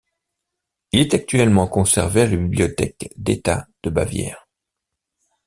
Il est actuellement conservé à la Bibliothèque d'État de Bavière.